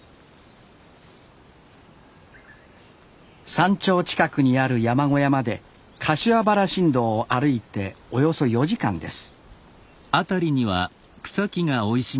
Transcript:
山頂近くにある山小屋まで柏原新道を歩いておよそ４時間です